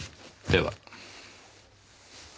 では。